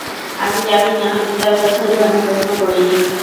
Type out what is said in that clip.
আমি জানিনা আমি তার কাছে এই ধরনের প্রশ্ন করিনি।